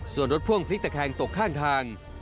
ส่วนรถพ่วงพลิกตะแคงตกข้างทาง